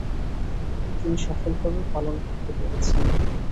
তিনি সফলভাবে পালন করতে পেরেছেন।